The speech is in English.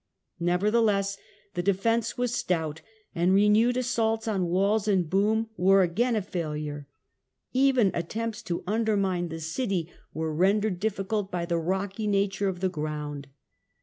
Nevertheless the defence was stout, and renewed assaults on walls and boom were again a failure ; even attempts to undermine the city 268 THE END OF THE MIDDLE AGE were rendered difficult by the rocky nature of the ground.